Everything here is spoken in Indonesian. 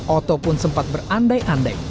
oto pun sempat berandai andai